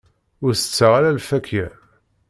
Ur tetteɣ ara lfakya.